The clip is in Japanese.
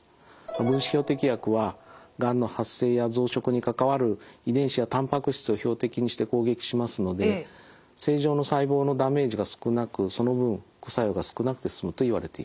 分子標的薬はがんの発生や増殖に関わる遺伝子やたんぱく質を標的にして攻撃しますので正常の細胞のダメージが少なくその分副作用が少なくて済むといわれています。